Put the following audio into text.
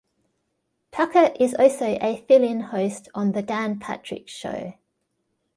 Tucker is also a fill-in host on the "Dan Patrick Show".